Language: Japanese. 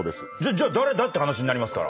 じゃ誰だって話になりますから。